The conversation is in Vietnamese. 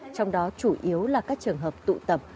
trong đó chủ yếu là các trường hợp tụ tập